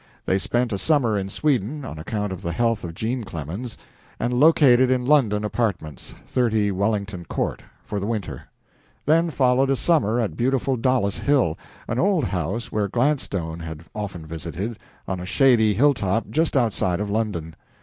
They spent a summer in Sweden on account of the health of Jean Clemens, and located in London apartments 30 Wellington Court for the winter. Then followed a summer at beautiful Dollis Hill, an old house where Gladstone had often visited, on a shady hilltop just outside of London.